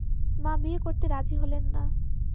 মা বিয়ে করতে রাজি হলেন না।